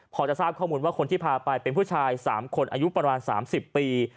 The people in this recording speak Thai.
พอจะทราบข้อมูลว่าคนที่พาไปเป็นผู้ชาย๓คนอายุประมาณ๓๐ปี